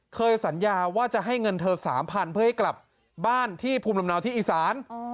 เคยสัญญาว่าจะให้เงินเธอ๓๐๐เพื่อให้กลับบ้านที่ภูมิลำเนาที่อีสาน